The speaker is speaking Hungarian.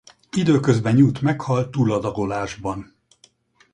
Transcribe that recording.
Időközben Newt meghal tuladagolásban.